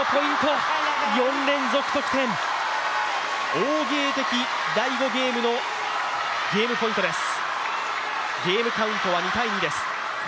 王ゲイ迪、第５ゲームのゲームポイントです。